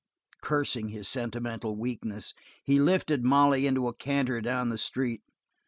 Cursing his sentimental weakness, he lifted Molly into a canter down the street.